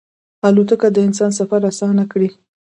الوتکه د انسان سفر اسانه کړی.